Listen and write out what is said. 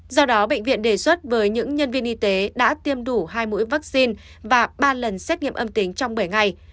do đó bệnh viện đề xuất với những nhân viên y tế đã tiêm đủ hai mũi vaccine và ba lần xét nghiệm âm tính trong bảy ngày